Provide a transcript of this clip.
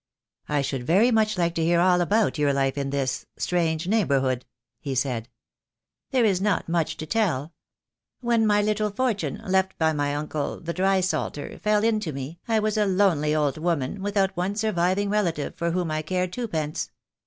"I should very much like to hear all about your life in this — strange neighbourhood," he said. "There is not much to tell. When my little fortune — left by my uncle, the drysalter — fell in to me I was a lonely old woman, without one surviving relative for whom 268 THE DAY WILL COME. I cared twopence.